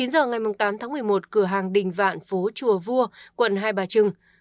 chín giờ ngày tám tháng một mươi một cửa hàng đình vạn phố chùa vua quận hai bà trưng